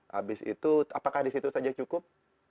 habis itu apakah di situ saja cukup